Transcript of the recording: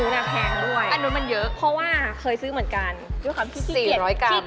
ได้เกินไปขี้เหนียว